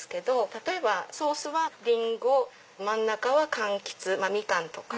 例えばソースはリンゴ真ん中はかんきつミカンとか。